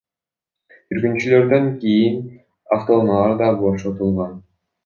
Жүргүнчүлөрдөн кийин автоунаалар да бошотулган.